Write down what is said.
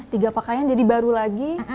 tiga pakaian jadi baru lagi